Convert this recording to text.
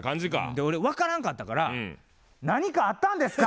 で俺分からんかったから「何かあったんですか？」。